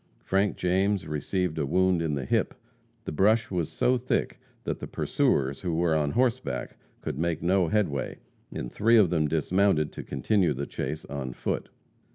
Frank James received a wound in the hip. The brush was so thick that the pursuers, who were on horseback, could make no headway, and three of them dismounted to continue the chase on foot.